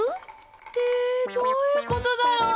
えどういうことだろう？